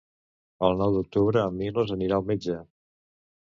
El nou d'octubre en Milos anirà al metge.